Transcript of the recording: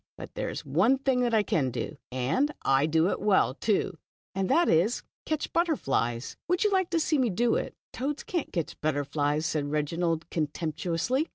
But there is one thing I can do, and I do it well, too, and that is to catch butterflies. Would you like to see me do it ?" "Toads can't catch butterflies," said Reginald, contemptuously.